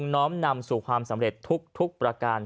น้อมนำสู่ความสำเร็จทุกประการ